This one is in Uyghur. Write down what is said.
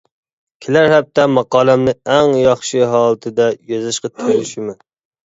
كېلەر ھەپتە ماقالەمنى ئەڭ ياخشى ھالىتىدە يېزىشقا تىرىشىمەن.